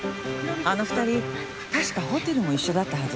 あの２人確かホテルも一緒だったはず。